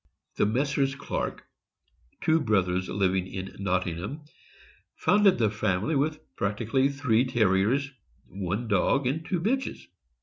The Messrs. Clark, two brothers living in Nottingham, founded the family with practically three Terriers — one dog and two bitches.